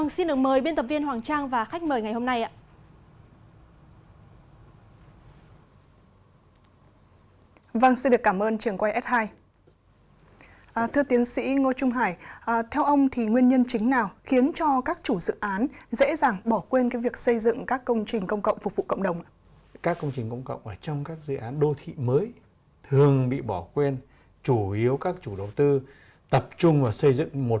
xin được mời biên tập viên hoàng trang và khách mời ngày hôm nay